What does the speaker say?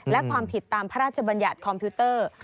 และความผิดตามพระราชบัญญัติคอมพิวเตอร์